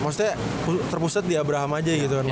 maksudnya terpusat di abraham aja gitu kan